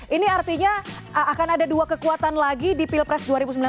ini artinya akan ada dua kekuatan lagi di pilpres dua ribu sembilan belas